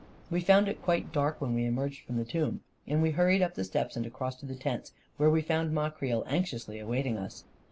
We found it quite dark when we emerged from the tomb ; and we hurried up the steps and across to the tents, where we found Ma Creel anxiously await ing us.